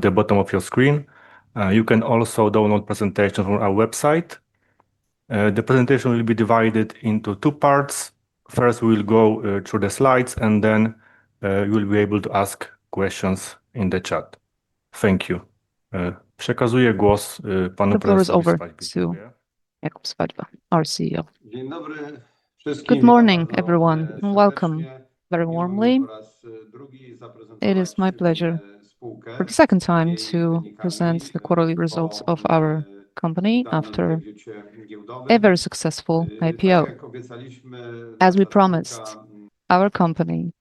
The bottom of your screen. You can also download presentation from our website. The presentation will be divided into two parts. First, we'll go through the slides and then you'll be able to ask questions in the chat. Thank you. The floor is over to Jakub Swadźba, our CEO. Good morning, everyone, and welcome very warmly. It is my pleasure for the second time to present the quarterly results of our company after a very successful IPO. As we promised, our company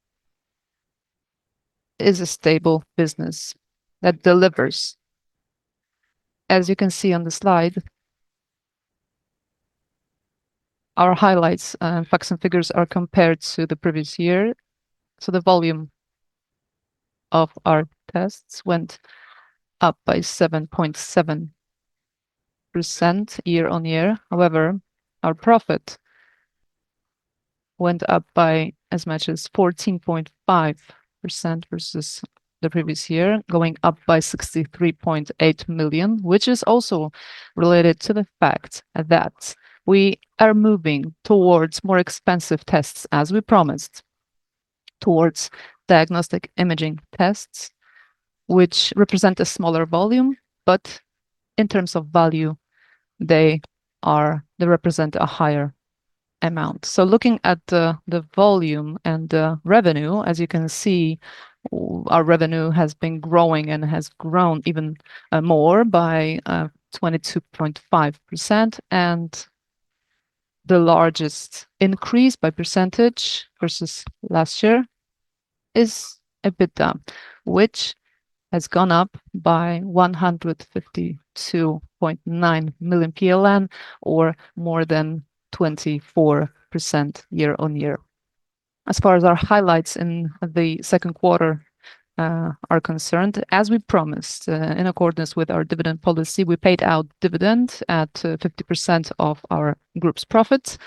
is a stable business that delivers. As you can see on the slide, our highlights, facts and figures are compared to the previous year. The volume of our tests went up by 7.7% year-on-year. However, our profit went up by as much as 14.5% versus the previous year, going up by 63.8 million, which is also related to the fact that we are moving towards more expensive tests as we promised, towards diagnostic imaging tests, which represent a smaller volume, but in terms of value they represent a higher amount. Looking at the volume and the revenue, as you can see, our revenue has been growing and has grown even more by 22.5%. The largest increase by percentage versus last year is EBITDA, which has gone up by 152.9 million PLN or more than 24% year-on-year. As far as our highlights in the Q2 are concerned, as we promised, in accordance with our dividend policy, we paid out dividend at 50% of our group's profits,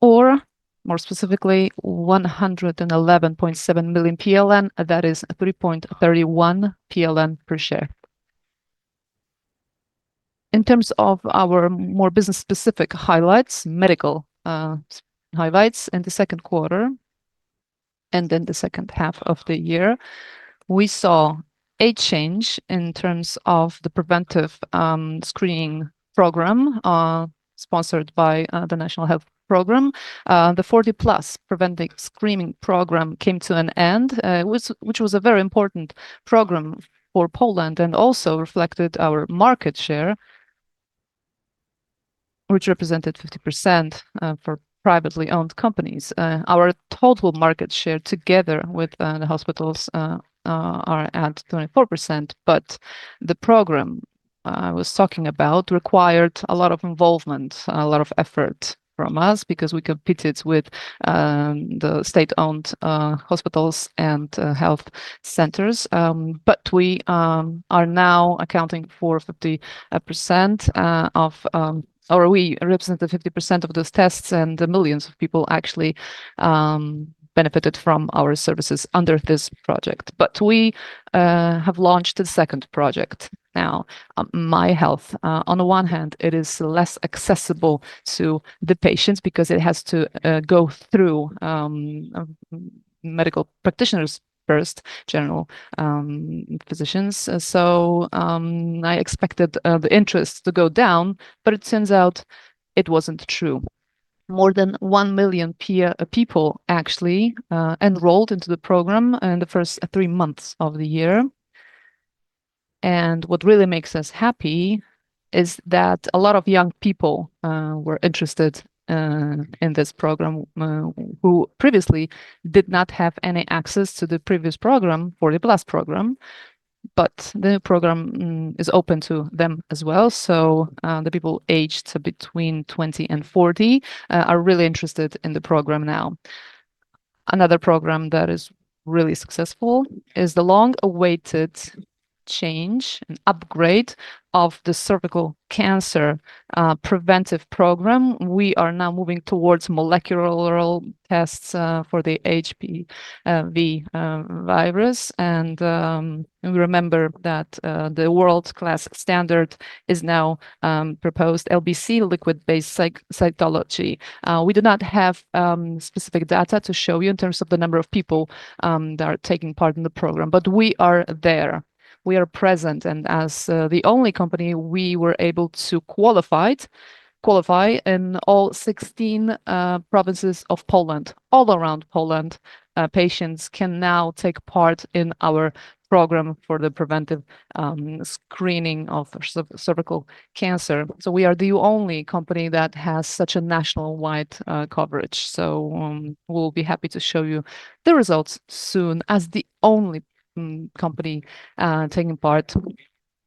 or more specifically 111.7 million PLN. That is 3.31 PLN per share. In terms of our more business specific highlights, medical highlights in the Q2 and in the second half of the year, we saw a change in terms of the preventive screening program sponsored by the National Health Fund. The 40 PLUS preventive screening program came to an end, which was a very important program for Poland and also reflected our market share, which represented 50% for privately owned companies. Our total market share together with the hospitals are at 24%. The program I was talking about required a lot of involvement, a lot of effort from us because we competed with the state-owned hospitals and health centers. We are now accounting for 50% of. We represent the 50% of those tests and the millions of people actually benefited from our services under this project. We have launched a second project now, My Health. On the one hand it is less accessible to the patients because it has to go through a medical practitioner first, general physicians. I expected the interest to go down, but it turns out it wasn't true. More than 1 million people actually enrolled into the program in the first 3 months of the year. What really makes us happy is that a lot of young people were interested in this program who previously did not have any access to the previous program, 40 PLUS program, but the program is open to them as well. The people aged between 20 and 40 are really interested in the program now. Another program that is really successful is the long awaited change and upgrade of the cervical cancer preventive program. We are now moving towards molecular tests for the HPV virus. We remember that the world-class standard is now proposed LBC, liquid-based cytology. We do not have specific data to show you in terms of the number of people that are taking part in the program, but we are there. We are present and as the only company we were able to qualify in all 16 provinces of Poland. All around Poland, patients can now take part in our program for the preventive screening of cervical cancer. We are the only company that has such a nationwide coverage. We'll be happy to show you the results soon, as the only company taking part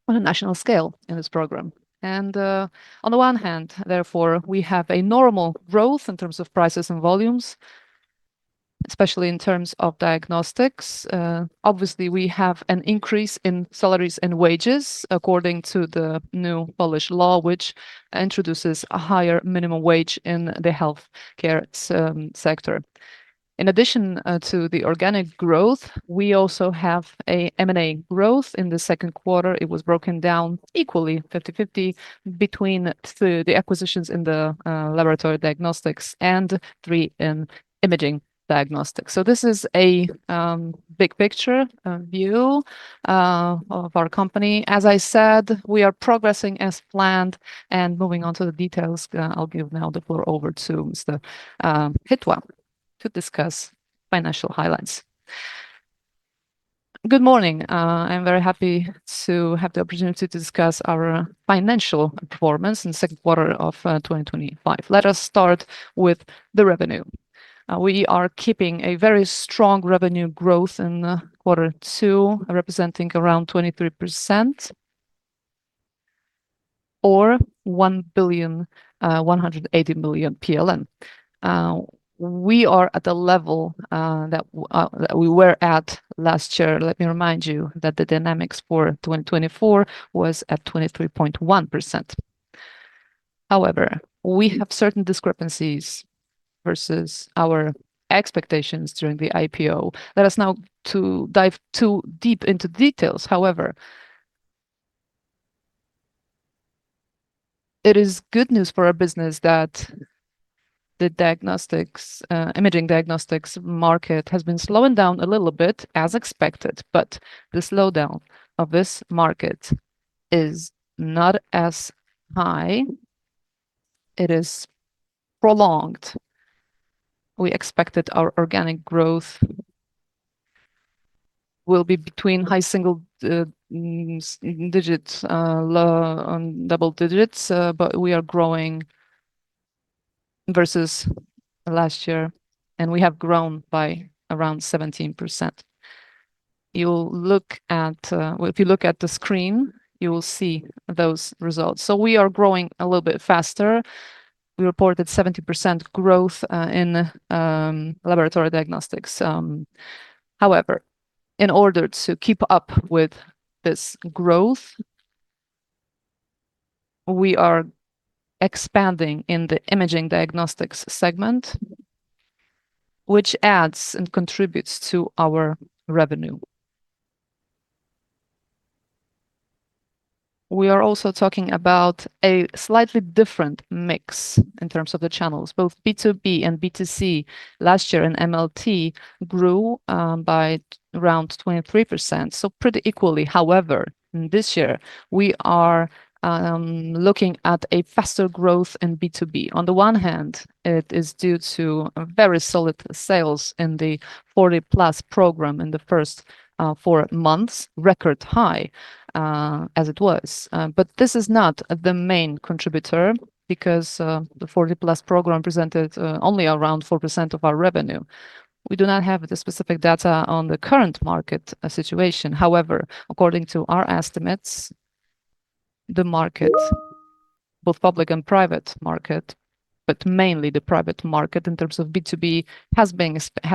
on a national scale in this program. On the one hand therefore, we have a normal growth in terms of prices and volumes, especially in terms of diagnostics. Obviously we have an increase in salaries and wages according to the new Polish law, which introduces a higher minimum wage in the healthcare sector. In addition to the organic growth, we also have a M&A growth. In the Q2, it was broken down equally, 50-50, between the acquisitions in the laboratory diagnostics and three in imaging diagnostics. This is a big picture view of our company. As I said, we are progressing as planned. Moving on to the details, I'll give now the floor over to Mr. Paweł Chytła to discuss financial highlights. Good morning. I'm very happy to have the opportunity to discuss our financial performance in theQ2 of 2025. Let us start with the revenue. We are keeping a very strong revenue growth in quarter 2, representing around 23% or 1.18 billion. We are at the level that we were at last year. Let me remind you that the dynamics for 2024 was at 23.1%. However, we have certain discrepancies versus our expectations during the IPO. Let us not dive too deep into details. However, it is good news for our business that the diagnostics, imaging diagnostics market has been slowing down a little bit as expected. The slowdown of this market is not as high. It is prolonged. We expected our organic growth will be between high single digits, low double digits. We are growing versus last year, and we have grown by around 17%. Well, if you look at the screen, you will see those results. We are growing a little bit faster. We reported 70% growth in laboratory diagnostics. However, in order to keep up with this growth, we are expanding in the imaging diagnostics segment, which adds and contributes to our revenue. We are also talking about a slightly different mix in terms of the channels. Both B2B and B2C last year in MLT grew by around 23%, so pretty equally. However, this year we are looking at a faster growth in B2B. On the one hand, it is due to very solid sales in the 40 PLUS program in the first four months, record high as it was. This is not the main contributor because the 40 PLUS program presented only around 4% of our revenue. We do not have the specific data on the current market situation. However, according to our estimates, the market, both public and private market, but mainly the private market in terms of B2B, has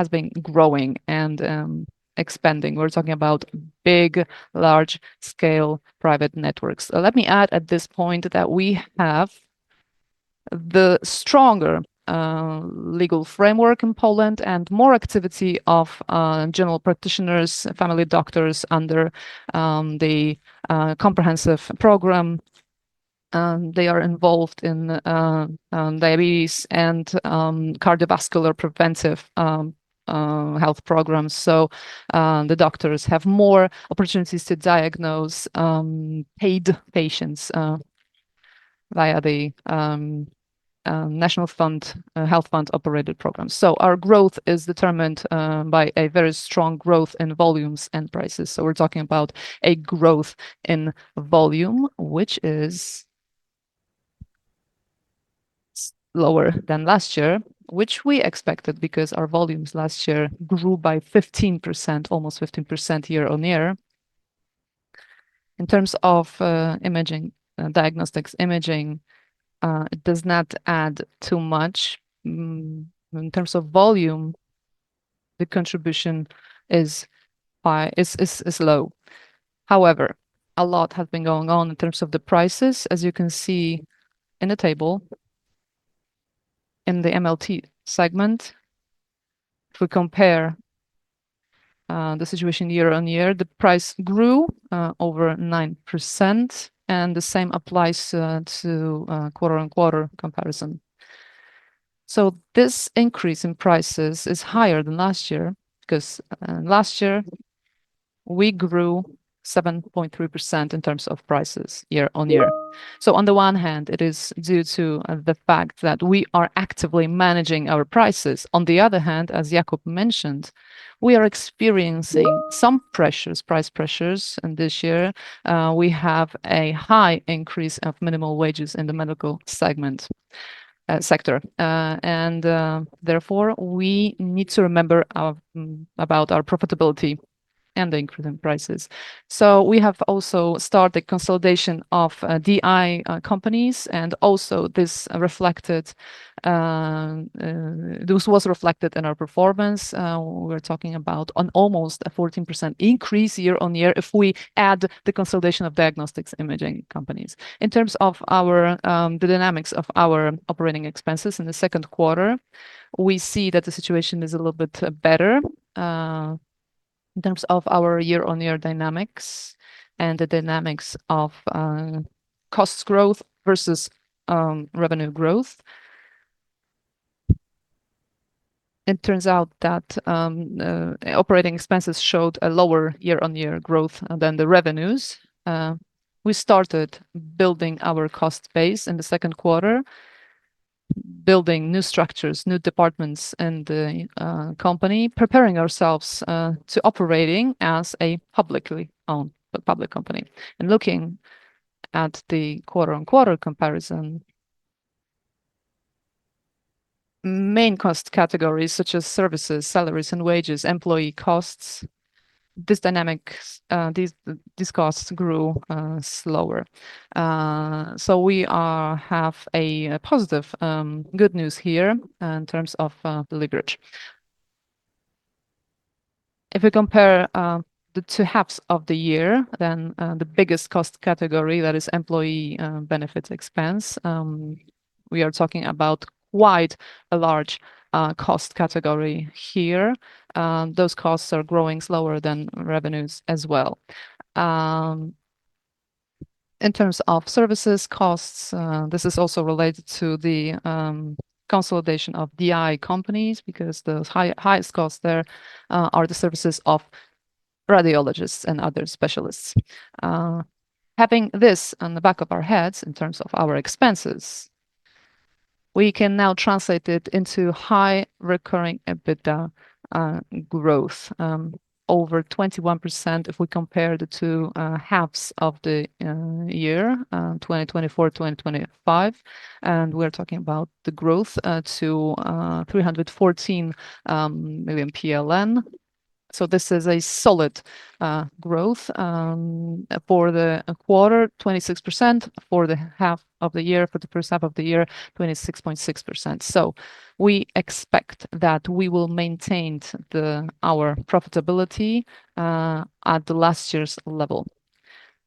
been growing and expanding. We're talking about big, large-scale private networks. Let me add at this point that we have the stronger legal framework in Poland and more activity of general practitioners, family doctors under the comprehensive program. They are involved in diabetes and cardiovascular preventive health programs. The doctors have more opportunities to diagnose paid patients via the National Health Fund-operated programs. Our growth is determined by a very strong growth in volumes and prices. We're talking about a growth in volume, which is lower than last year, which we expected because our volumes last year grew by 15%, almost 15% year-on-year. In terms of imaging, diagnostic imaging, it does not add too much. In terms of volume, the contribution is low. However, a lot has been going on in terms of the prices. As you can see in the table in the MLT segment, if we compare the situation year-on-year, the price grew over 9%, and the same applies to quarter-on-quarter comparison. This increase in prices is higher than last year because last year we grew 7.3% in terms of prices year-on-year. On the one hand, it is due to the fact that we are actively managing our prices. On the other hand, as Jakub mentioned, we are experiencing some pressures, price pressures, and this year we have a high increase of minimum wages in the medical sector. Therefore, we need to remember about our profitability and the increase in prices. We have also started consolidation of DI companies, and also this was reflected in our performance. We're talking about an almost 14% increase year-on-year if we add the consolidation of diagnostic imaging companies. In terms of the dynamics of our operating expenses in the Q2, we see that the situation is a little bit better. In terms of our year-on-year dynamics and the dynamics of costs growth versus revenue growth, it turns out that operating expenses showed a lower year-on-year growth than the revenues. We started building our cost base in the Q2, building new structures, new departments in the company, preparing ourselves to operate as a public company. Looking at the quarter-on-quarter comparison, main cost categories such as services, salaries and wages, employee costs. This dynamic, these costs grew slower. We have a positive good news here in terms of the leverage. If we compare the two halves of the year, the biggest cost category, that is employee benefits expense. We are talking about quite a large cost category here. Those costs are growing slower than revenues as well. In terms of services costs, this is also related to the consolidation of DI companies because the highest costs there are the services of radiologists and other specialists. Having this on the back of our heads in terms of our expenses, we can now translate it into high recurring EBITDA growth over 21% if we compare the two halves of the year 2024, 2025, and we're talking about the growth to 314 million PLN. This is a solid growth for the quarter, 26%, for the first half of the year, 26.6%. We expect that we will maintain our profitability at the last year's level.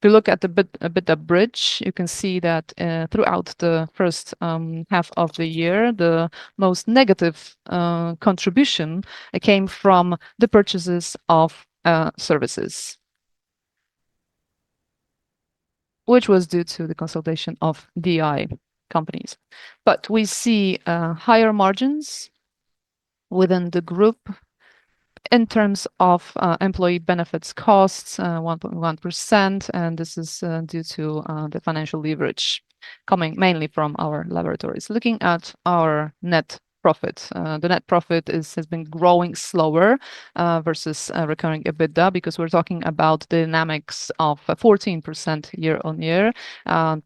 If you look at the EBITDA bridge, you can see that throughout the first half of the year, the most negative contribution came from the purchases of services, which was due to the consolidation of DI companies. We see higher margins within the group in terms of employee benefits costs 1.1%, and this is due to the financial leverage coming mainly from our laboratories. Looking at our net profit, the net profit has been growing slower versus recurring EBITDA because we're talking about dynamics of 14% year-on-year,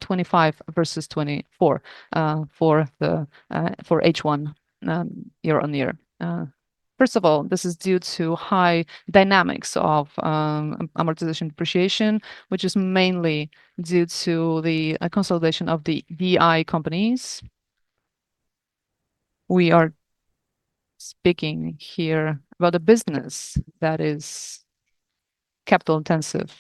25 versus 24 for H1 year-on-year. First of all, this is due to high dynamics of depreciation and amortization, which is mainly due to the consolidation of the DI companies. We are speaking here about a business that is capital intensive,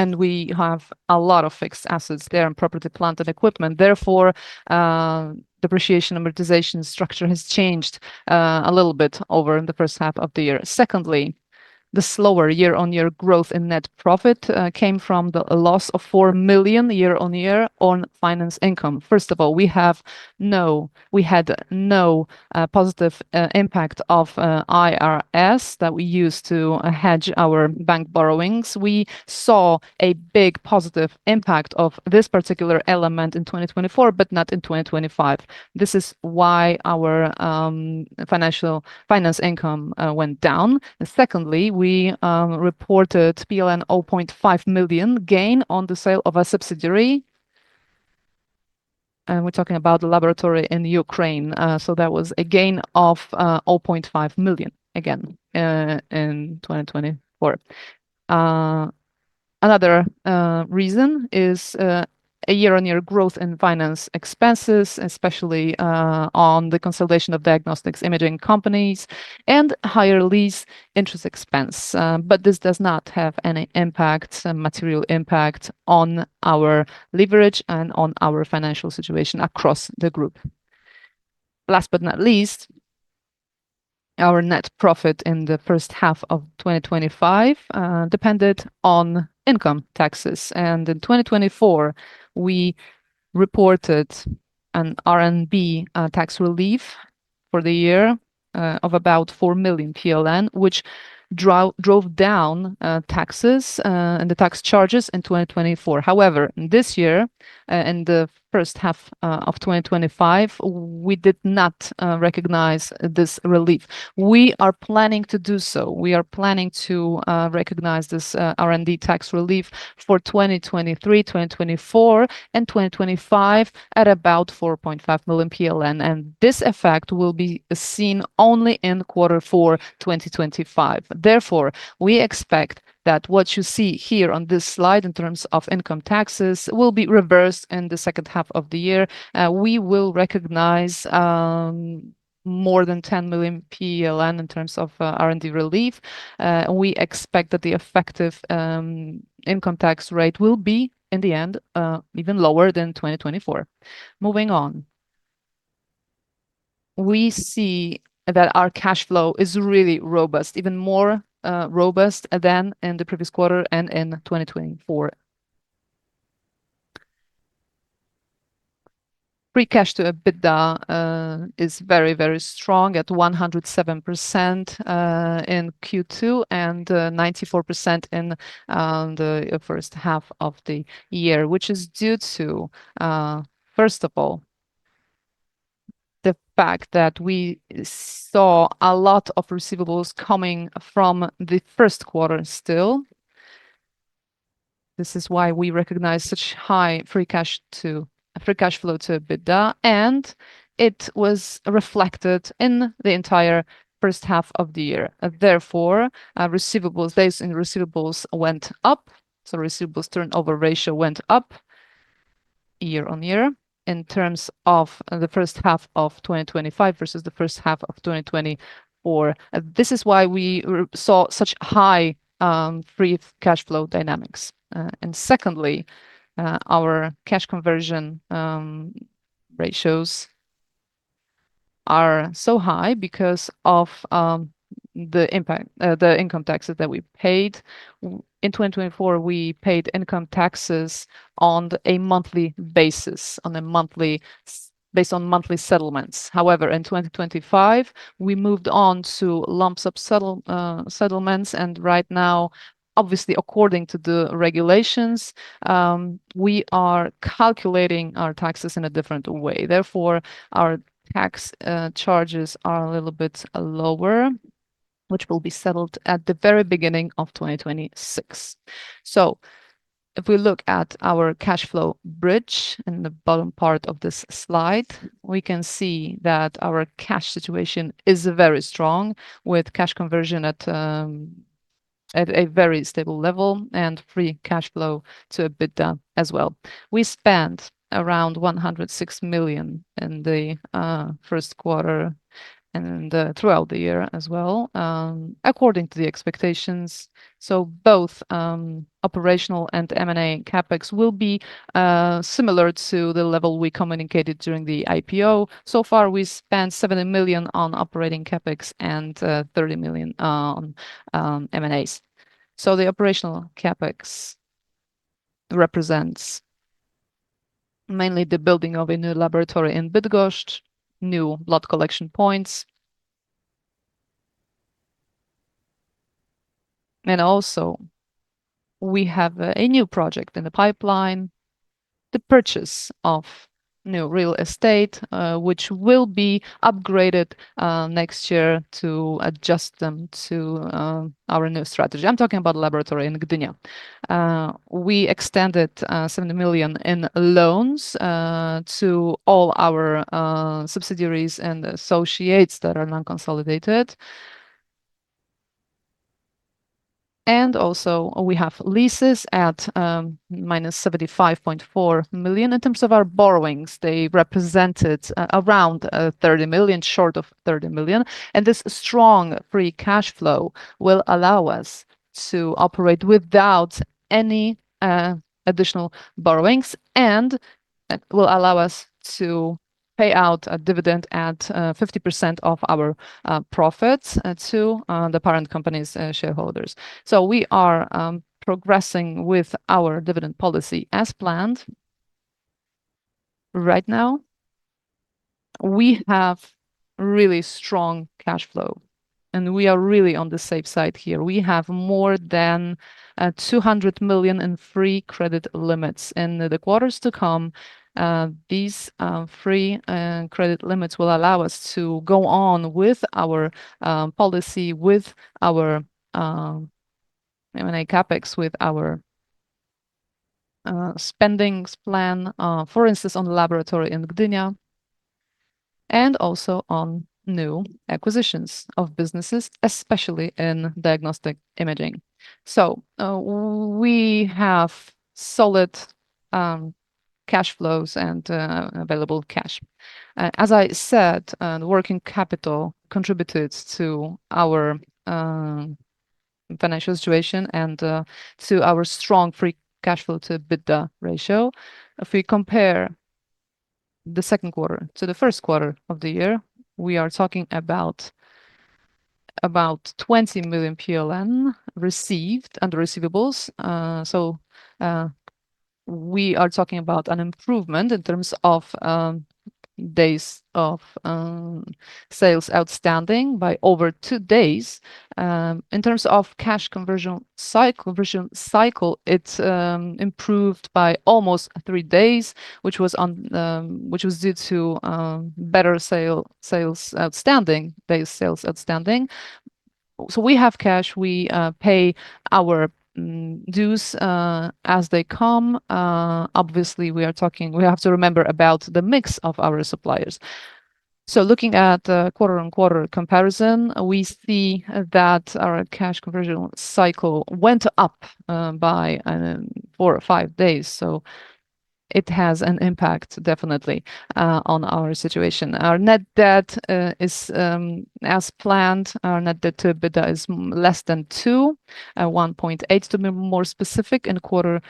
and we have a lot of fixed assets there in property, plant and equipment. Therefore, depreciation and amortization structure has changed a little bit over the first half of the year. Secondly, the slower year-on-year growth in net profit came from the loss of 4 million year-on-year on finance income. First of all, we had no positive impact of IRS that we use to hedge our bank borrowings. We saw a big positive impact of this particular element in 2024, but not in 2025. This is why our finance income went down. Secondly, we reported PLN 0.5 million gain on the sale of a subsidiary. We're talking about the laboratory in Ukraine. So that was a gain of 0.5 million again in 2024. Another reason is a year-on-year growth in finance expenses, especially on the consolidation of diagnostic imaging companies and higher lease interest expense. This does not have any impact, material impact on our leverage and on our financial situation across the group. Last but not least, our net profit in the first half of 2025 depended on income taxes. In 2024, we reported an R&D tax relief for the year of about 4 million PLN, which drove down taxes and the tax charges in 2024. However, this year, in the first half of 2025, we did not recognize this relief. We are planning to do so. We are planning to recognize this R&D tax relief for 2023, 2024, and 2025 at about 4.5 million PLN, and this effect will be seen only in quarter four, 2025. Therefore, we expect that what you see here on this slide in terms of income taxes will be reversed in the second half of the year. We will recognize more than 10 million PLN in terms of R&D relief. We expect that the effective income tax rate will be, in the end, even lower than 2024. Moving on. We see that our cash flow is really robust, even more robust than in the previous quarter and in 2024. Free cash flow to EBITDA is very, very strong at 107% in Q2, and 94% in the first half of the year, which is due to first of all, the fact that we saw a lot of receivables coming from the Q1 still. This is why we recognize such high free cash flow to EBITDA, and it was reflected in the entire first half of the year. Therefore, receivables days in receivables went up, so receivables turnover ratio went up year-on-year in terms of the first half of 2025 versus the first half of 2024. This is why we saw such high free cash flow dynamics. Secondly, our cash conversion ratios are so high because of the impact of the income taxes that we paid. In 2024, we paid income taxes on a monthly basis, based on monthly settlements. However, in 2025, we moved on to lump sum settlements, and right now, obviously, according to the regulations, we are calculating our taxes in a different way. Therefore, our tax charges are a little bit lower, which will be settled at the very beginning of 2026. If we look at our cash flow bridge in the bottom part of this slide, we can see that our cash situation is very strong with cash conversion at a very stable level and free cash flow to EBITDA as well. We spent around 106 million in the Q1 and throughout the year as well, according to the expectations. Both operational and M&A CapEx will be similar to the level we communicated during the IPO. So far, we spent 70 million on operating CapEx and 30 million on M&As. The operational CapEx represents mainly the building of a new laboratory in Bydgoszcz, new blood collection points. We have a new project in the pipeline, the purchase of new real estate, which will be upgraded next year to adjust them to our new strategy. I'm talking about laboratory in Gdynia. We extended 70 million in loans to all our subsidiaries and associates that are non-consolidated. We have leases at -75.4 million. In terms of our borrowings, they represented around 30 million, short of 30 million, and this strong free cash flow will allow us to operate without any additional borrowings and will allow us to pay out a dividend at 50% of our profits to the parent company's shareholders. We are progressing with our dividend policy as planned. Right now, we have really strong cash flow, and we are really on the safe side here. We have more than 200 million in free credit limits. In the quarters to come, these free credit limits will allow us to go on with our policy, with our M&A CapEx, with our spending plan, for instance, on the laboratory in Gdynia, and also on new acquisitions of businesses, especially in diagnostic imaging. We have solid cash flows and available cash. As I said, working capital contributed to our financial situation and to our strong free cash flow to EBITDA ratio. If we compare the Q2 to the Q1 of the year, we are talking about 20 million PLN received under receivables. We are talking about an improvement in terms of days sales outstanding by over 2 days. In terms of cash conversion cycle, it's improved by almost 3 days, which was due to better sales outstanding. We have cash. We pay our dues as they come. Obviously, we have to remember about the mix of our suppliers. Looking at quarter-over-quarter comparison, we see that our cash conversion cycle went up by 4 or 5 days. It has an impact definitely on our situation. Our net debt is as planned. Our net debt to EBITDA is less than 2, 1.8 to be more specific. In quarter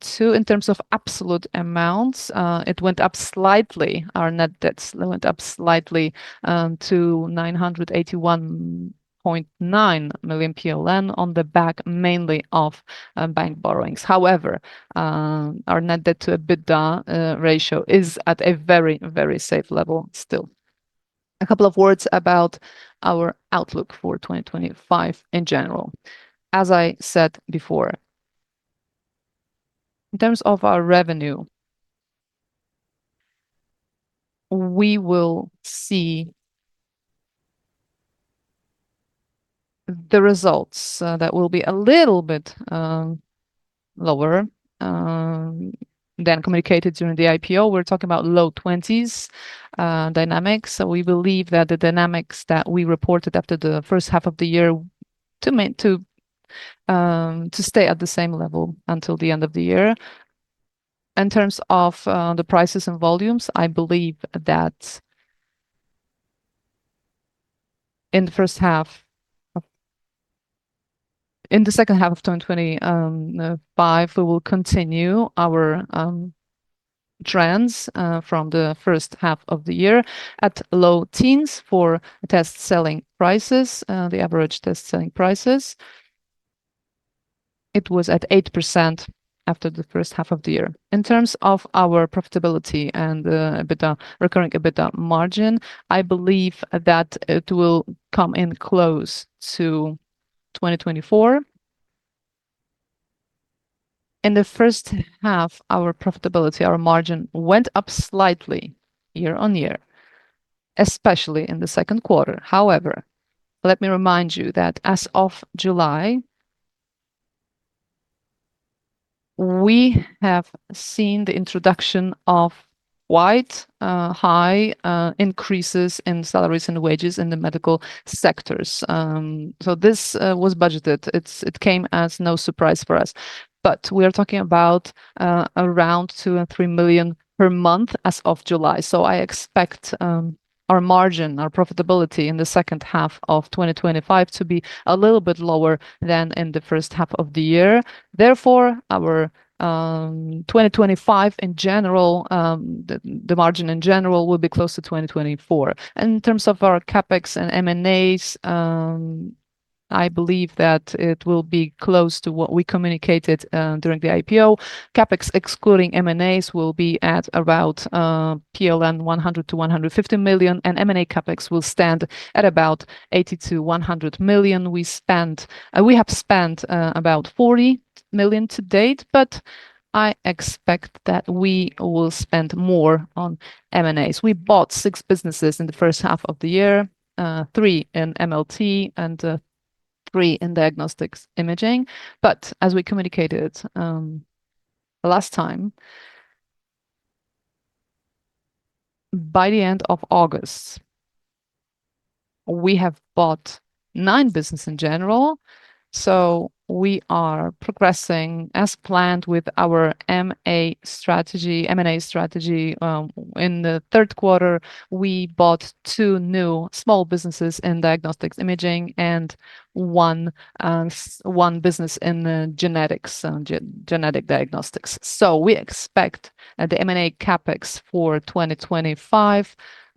two, in terms of absolute amounts, it went up slightly. Our net debts went up slightly to 981 million PLN on the back mainly of bank borrowings. However, our net debt to EBITDA ratio is at a very, very safe level still. A couple of words about our outlook for 2025 in general. As I said before, in terms of our revenue, we will see the results that will be a little bit lower than communicated during the IPO. We're talking about low 20s% dynamics. We believe that the dynamics that we reported after the first half of the year to stay at the same level until the end of the year. In terms of the prices and volumes, I believe that in the second half of 2025, we will continue our trends from the first half of the year at low teens for test selling prices, the average test selling prices. It was at 8% after the first half of the year. In terms of our profitability and the EBITDA, recurring EBITDA margin, I believe that it will come in close to 2024. In the first half, our profitability, our margin went up slightly year-over-year, especially in the Q2. However, let me remind you that as of July, we have seen the introduction of quite high increases in salaries and wages in the medical sectors. So this was budgeted. It came as no surprise for us. We are talking about around 2 million–3 million per month as of July. I expect our margin, our profitability in the second half of 2025 to be a little bit lower than in the first half of the year. Therefore, our 2025 in general, the margin in general will be close to 2024. In terms of our CapEx and M&As, I believe that it will be close to what we communicated during the IPO. CapEx, excluding M&As, will be at about 100 million–150 million PLN, and M&A CapEx will stand at about 80 million–100 million. We have spent about 40 million to date, but I expect that we will spend more on M&As. We bought 6 businesses in the first half of the year, 3 in MLT and 3 in diagnostic imaging. As we communicated last time, by the end of August, we have bought 9 businesses in general. We are progressing as planned with our M&A strategy, M&A strategy. In the Q3, we bought 2 new small businesses in diagnostic imaging and 1 business in genetic diagnostics. We expect the M&A CapEx for 2025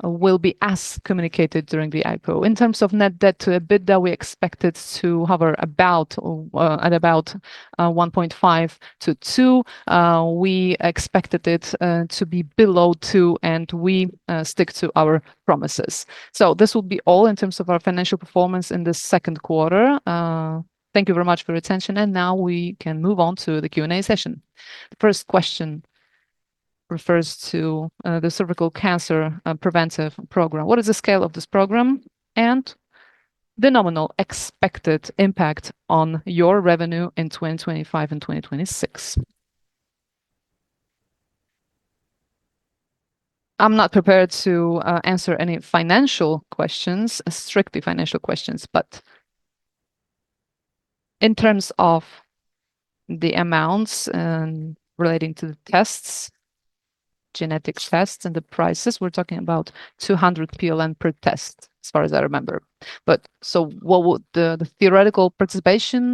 will be as communicated during the IPO. In terms of net debt to EBITDA, we expected to hover about 1.5-2. We expected it to be below 2, and we stick to our promises. This will be all in terms of our financial performance in the Q2. Thank you very much for your attention, and now we can move on to the Q&A session. The first question refers to the cervical cancer preventive program. What is the scale of this program and the nominal expected impact on your revenue in 2025 and 2026? I'm not prepared to answer any financial questions, strictly financial questions. In terms of the amounts and relating to the tests, genetic tests and the prices, we're talking about 200 PLN per test, as far as I remember. What would the theoretical participation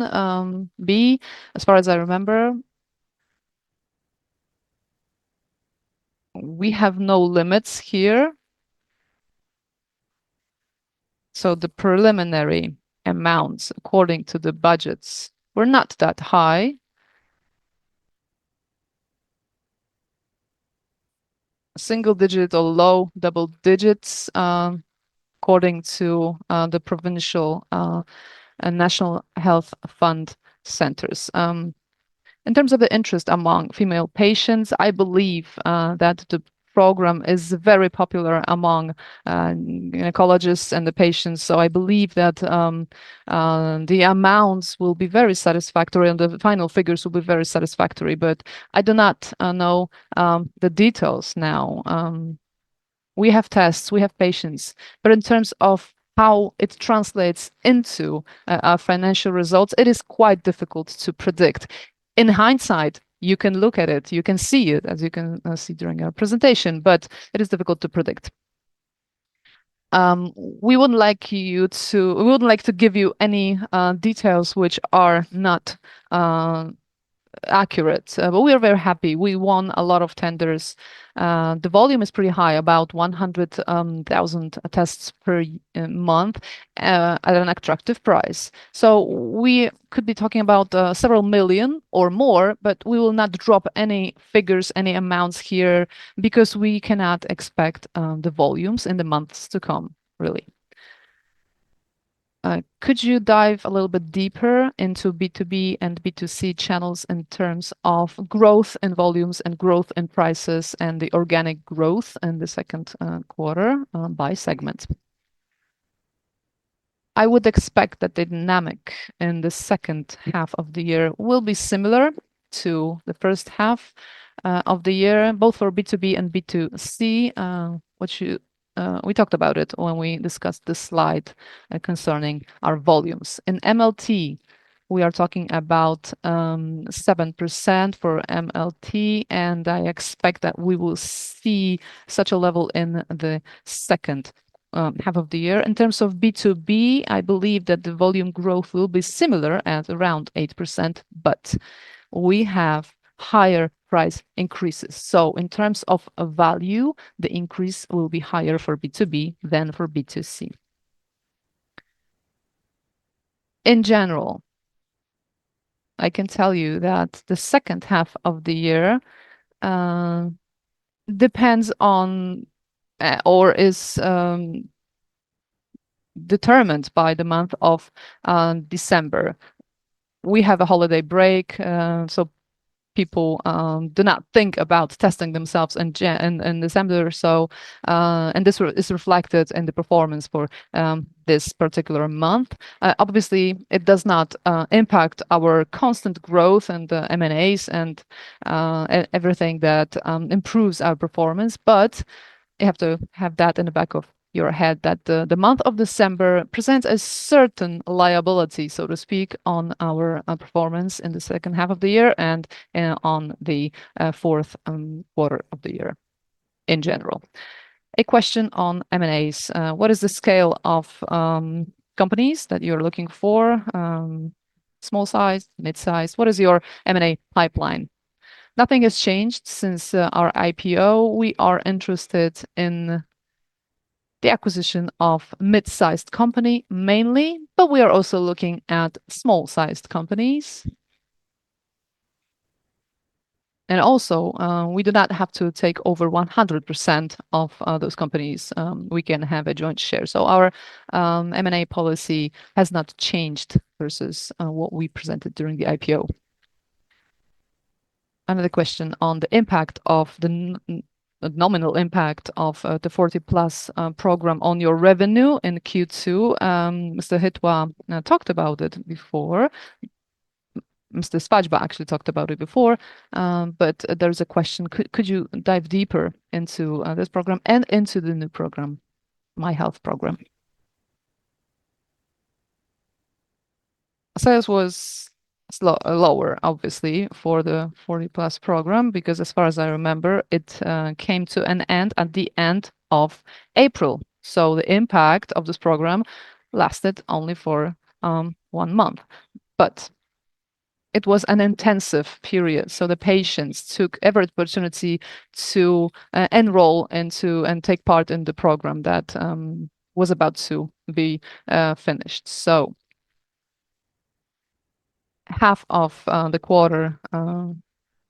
be? As far as I remember, we have no limits here. The preliminary amounts according to the budgets were not that high. Single digit or low double digits, according to the provincial National Health Fund centers. In terms of the interest among female patients, I believe that the program is very popular among gynecologists and the patients. I believe that the amounts will be very satisfactory, and the final figures will be very satisfactory. I do not know the details now. We have tests, we have patients, but in terms of how it translates into our financial results, it is quite difficult to predict. In hindsight, you can look at it, you can see it, as you can see during our presentation, but it is difficult to predict. We wouldn't like to give you any details which are not accurate. We are very happy. We won a lot of tenders. The volume is pretty high, about 100,000 tests per month at an attractive price. We could be talking about several million or more, but we will not drop any figures, any amounts here because we cannot expect the volumes in the months to come really. Could you dive a little bit deeper into B2B and B2C channels in terms of growth and volumes and growth and prices and the organic growth in the Q2 by segment? I would expect that the dynamic in the second half of the year will be similar to the first half of the year, both for B2B and B2C, we talked about it when we discussed this slide concerning our volumes. In MLT, we are talking about 7% for MLT, and I expect that we will see such a level in the second half of the year. In terms of B2B, I believe that the volume growth will be similar at around 8%, but we have higher price increases. In terms of value, the increase will be higher for B2B than for B2C. In general, I can tell you that the second half of the year depends on or is determined by the month of December. We have a holiday break, so people do not think about testing themselves in December. This is reflected in the performance for this particular month. Obviously, it does not impact our constant growth and the M&As and everything that improves our performance. You have to have that in the back of your head, that the month of December presents a certain liability, so to speak, on our performance in the second half of the year and on the Q4 of the year in general. A question on M&A. What is the scale of companies that you're looking for, small size, mid-size? What is your M&A pipeline? Nothing has changed since our IPO. We are interested in the acquisition of mid-sized company mainly, but we are also looking at small-sized companies. Also, we do not have to take over 100% of those companies. We can have a joint share. Our M&A policy has not changed versus what we presented during the IPO. Another question on the impact of the nominal impact of the 40 PLUS program on your revenue in Q2. Mr. Chytła talked about it before. Mr. Swadźba actually talked about it before, but there is a question, could you dive deeper into this program and into the new program, My Health program? Sales was lower, obviously, for the 40 PLUS program, because as far as I remember, it came to an end at the end of April. The impact of this program lasted only for 1 month. It was an intensive period, so the patients took every opportunity to enroll and take part in the program that was about to be finished. Half of the quarter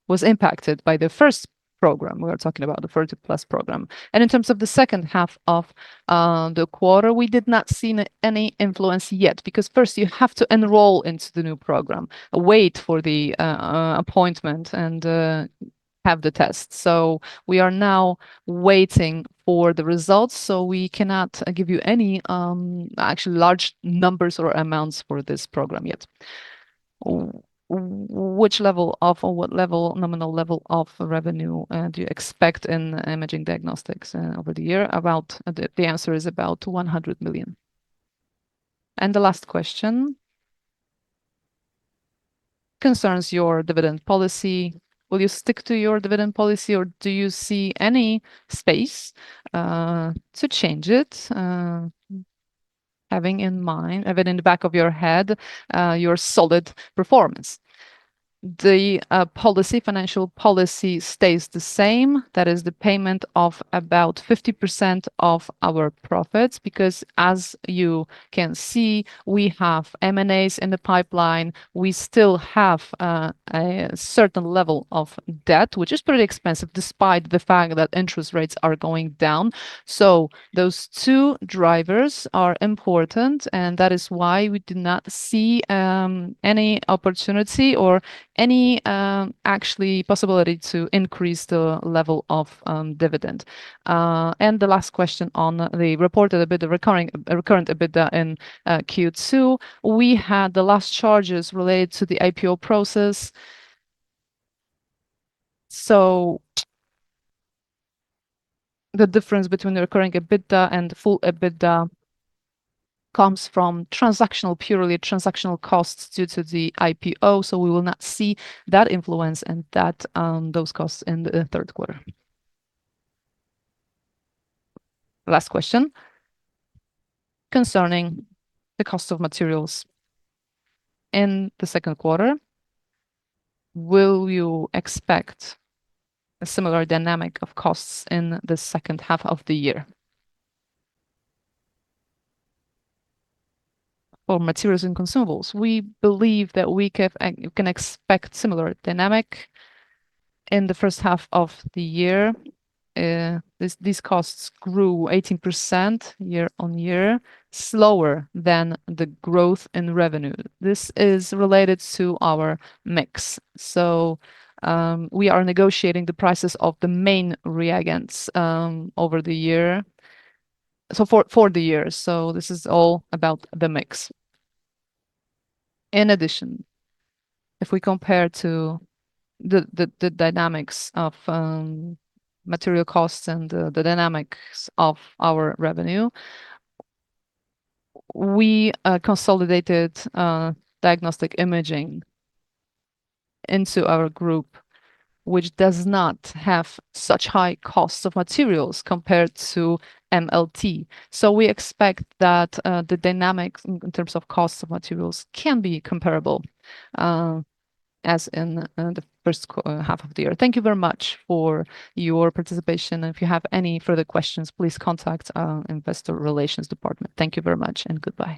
was impacted by the first program. We are talking about the 40 PLUS program. In terms of the second half of the quarter, we did not see any influence yet, because first you have to enroll into the new program, wait for the appointment and have the test. We are now waiting for the results, so we cannot give you any actually large numbers or amounts for this program yet. Which level of or what level, nominal level of revenue do you expect in diagnostic imaging over the year? The answer is about 100 million. The last question concerns your dividend policy. Will you stick to your dividend policy or do you see any space to change it, having in mind, having in the back of your head your solid performance? The financial policy stays the same. That is the payment of about 50% of our profits, because as you can see, we have M&As in the pipeline. We still have a certain level of debt, which is pretty expensive despite the fact that interest rates are going down. Those two drivers are important, and that is why we do not see any opportunity or any actually possibility to increase the level of dividend. The last question on the reported EBITDA, recurring EBITDA in Q2. We had the last charges related to the IPO process. The difference between the recurring EBITDA and full EBITDA comes from transactional, purely transactional costs due to the IPO. We will not see that influence and those costs in the Q3. Last question concerning the cost of materials in the Q2, will you expect a similar dynamic of costs in the second half of the year? For materials and consumables, we believe that we can expect similar dynamic in the first half of the year. These costs grew 18% year-on-year, slower than the growth in revenue. This is related to our mix. We are negotiating the prices of the main reagents over the year. For the year. This is all about the mix. In addition, if we compare to the dynamics of material costs and the dynamics of our revenue, we consolidated diagnostic imaging into our group, which does not have such high costs of materials compared to MLT. We expect that, the dynamics in terms of cost of materials can be comparable, as in, the first half of the year. Thank you very much for your participation, and if you have any further questions, please contact our investor relations department. Thank you very much and goodbye.